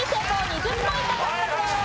２０ポイント獲得です。